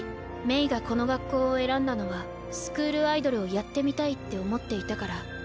メイがこの学校を選んだのはスクールアイドルをやってみたいって思っていたから。